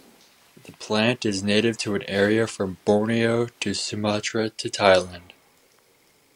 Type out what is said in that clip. The plant is native to an area from Borneo to Sumatra to Thailand.